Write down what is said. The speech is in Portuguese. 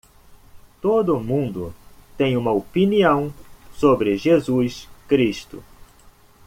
Todo mundo tem uma opinião sobre Jesus Cristo.